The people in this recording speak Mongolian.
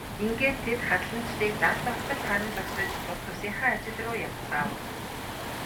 Ингээд тэд хадланчдыг далд ортол харан зогсож тус тусынхаа ажил руу явцгаав.